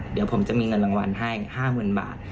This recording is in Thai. เดี๋ยวผมจะมีเงินรางวัลให้๕๐๐๐บาท